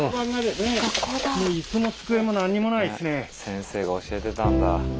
先生が教えてたんだ。